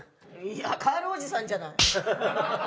いやカールおじさんじゃない。